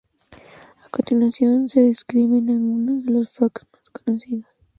A continuación se describen algunos de los forks más conocidos.